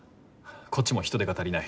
こっちも人手が足りない。